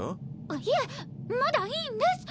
いえまだいいんです！